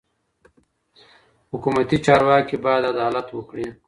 حکومتي چارواکي باید عدالت وکړي.